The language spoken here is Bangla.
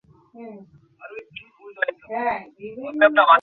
সে অনেক ট্রফিও জিতেছে।